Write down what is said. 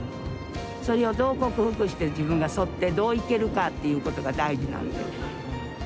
それをどう克服して自分が沿ってどういけるかっていうことが大事なんで。